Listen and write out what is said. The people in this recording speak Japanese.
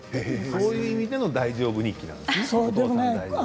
そういう意味での大丈夫日記なんですね。